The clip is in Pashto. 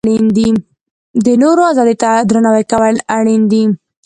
د نورو ازادۍ ته درناوی کول اړین دي.